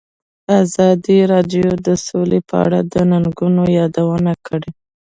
ازادي راډیو د سوله په اړه د ننګونو یادونه کړې.